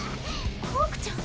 ホークちゃん？